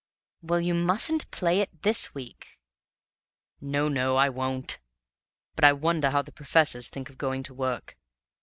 "Well, you mustn't play it this week." "No, no, I won't. But I wonder how the professors think of going to work?